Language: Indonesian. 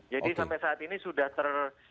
jadi sampai saat ini sudah ter